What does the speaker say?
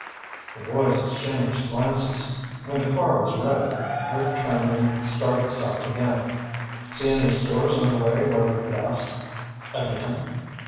The boys exchanged glances. When the car was ready, Rick turned and started south again. "See any stores on the way where we could ask again?"